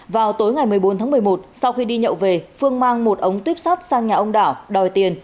vào tối ngày một mươi bốn tháng một mươi một sau khi đi nhậu về phương mang một ống tuyếp sắt sang nhà ông đảo đòi tiền